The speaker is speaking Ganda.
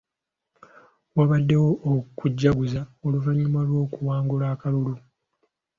Waabaddewo okujaguza oluvannyuma lw'okuwangula akalulu.